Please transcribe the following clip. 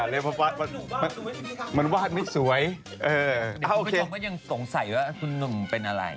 เดี๋ยวคุณผู้ชมก็ยังสงสัยว่าคุณหนุ่มเป็นอะไร